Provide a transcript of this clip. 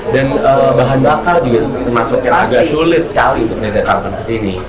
dan bahan bakar juga termasuk yang agak sulit sekali untuk didatangkan kesini